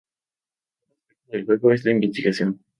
Otro aspecto del juego es la investigación.